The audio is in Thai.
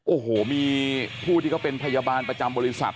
โอ้โหมีผู้ที่เขาเป็นพยาบาลประจำบริษัท